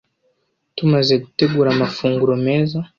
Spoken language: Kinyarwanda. tumaze gutegura amafunguro meza